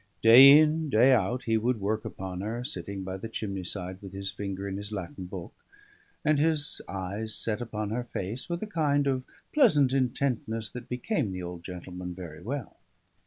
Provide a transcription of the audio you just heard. Day in, day out, he would work upon her, sitting by the chimney side with his finger in his Latin book, and his eyes set upon her face with a kind of pleasant intentness that became the old gentleman very well.